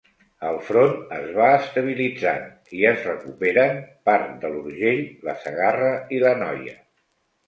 El front es va estabilitzant i es recuperen part de l'Urgell, la Segarra i l'Anoia.